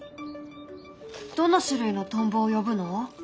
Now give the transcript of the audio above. どの種類のトンボを呼ぶの？